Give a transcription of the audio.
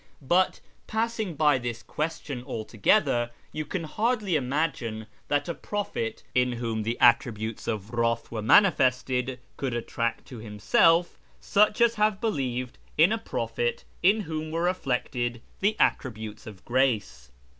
But, passing by this question altogether, you can hardly imagine that a prophet in whom the ' Attributes of Wrath ' were manifested could attract to himself such as have believed in a prophet in whom were reflected the ' Attributes of Grace.'